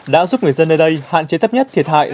đã giúp người dân nơi đây hạn chế thấp nhất thiệt hại